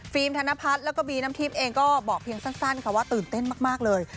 ธนพัฒน์แล้วก็บีน้ำทิพย์เองก็บอกเพียงสั้นค่ะว่าตื่นเต้นมากเลย